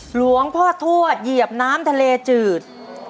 หลวงพ่อทวดเหยียบน้ำทะเลจืด